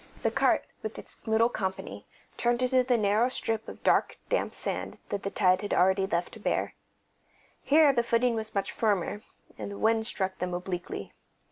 The cart, with its little company, turned into the narrow strip of dark damp sand that the tide had already left bare. Here the footing was much firmer, and the wind struck them obliquely.